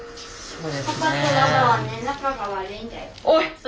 おい！